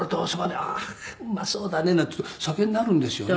「ああーうまそうだねなんて言うと酒になるんですよね」